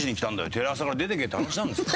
テレ朝から出ていけ」って話なんですよ。